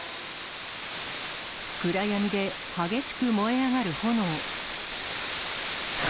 暗闇で激しく燃え上がる炎。